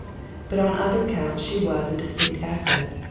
But on other counts she was a distinct asset.